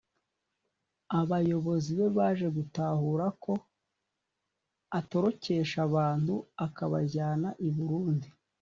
Abayobozi be baje gutahura ko atorokesha abantu akabajyana i Burundi